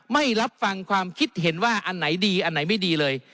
ไม่รับฟังความคิดเห็นว่าอันไหนดีอันไหนไม่ดีเลย